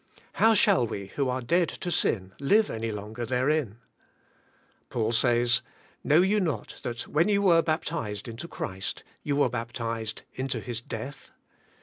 How shall we who are dead to sin live any longer there in ?" Paul says, Know you not that when you were baptized into Christ you were baptized into His death.